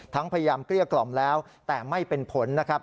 พยายามเกลี้ยกล่อมแล้วแต่ไม่เป็นผลนะครับ